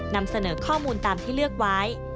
นำเสนอข้อมูลตามที่เลือกไว้